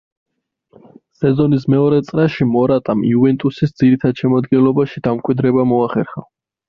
სეზონის მეორე წრეში მორატამ „იუვენტუსის“ ძირითად შემადგენლობაში დამკვიდრება მოახერხა.